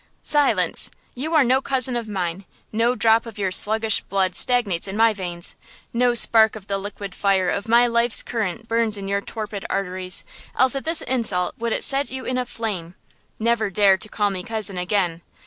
"Silence! You are no cousin of mine–no drop of your sluggish blood stagnates in my veins–no spark of the liquid fire of my life's current burns in your torpid arteries, else at this insult would it set you in a flame! Never dare to call me cousin again."